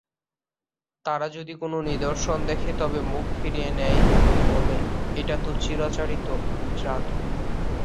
তারা যদি কোনো নিদর্শন দেখে তবে মুখ ফিরিয়ে নেয় এবং বলে এটা তো চিরাচরিত জাদু’’।